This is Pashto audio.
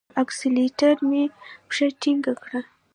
پر اکسلېټر مي پښه ټینګه کړه !